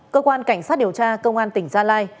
cơ quan cảnh sát điều tra công an tỉnh gia lai